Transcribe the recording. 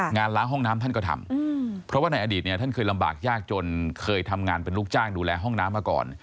งานล้างห้องน้ำท่านก็ทำเพราะว่าในอดีตเนี่ยท่านเคยลำบากยากจนเคยทำงานเป็นลูกจ้างดูแลห้องน้ำมาก่อน